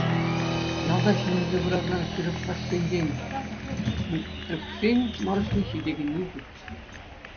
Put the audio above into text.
Ялта ҫитӗнсе пыракан хӗрупраҫсенчен Митрюксен Маруҫне ҫитекенни ҫук.